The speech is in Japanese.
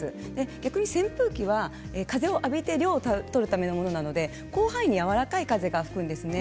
逆に扇風機は風を浴びて涼を取るためのものなので広範囲にやわらかい風が吹くんですね。